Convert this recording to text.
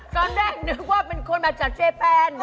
ตอนแรกนึกว่าเป็นคนมาจากเจแปน